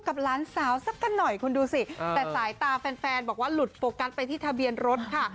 หลานสาวสักกันหน่อยคุณดูสิแต่สายตาแฟนบอกว่าหลุดโฟกัสไปที่ทะเบียนรถค่ะ